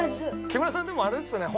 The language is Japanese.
木村さんでもあれですよね